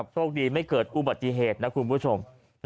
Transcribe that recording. โชคดีไม่เกิดอุบัติเหตุนะคุณผู้ชม